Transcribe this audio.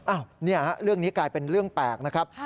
เรื่องนี้กลายเป็นเรื่องแปลกนะครับ